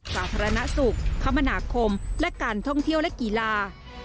สาธารณสุขคมนาคมและการท่องเที่ยวและกีฬา